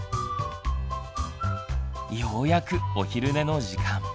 ようやくお昼寝の時間。